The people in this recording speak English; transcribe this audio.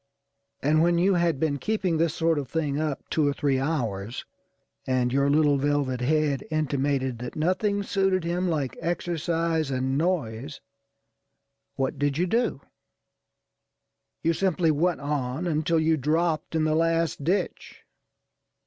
And, when you had been keeping this sort of thing up two or three hours, and your little velvet head intimated that nothing suited him like exercise and noise, what did you do? You simply went on until you dropped in the last ditch.